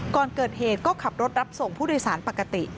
ก่อนเกิดเหตุก็ขับรถรับส่งผู้โดยสารปกติ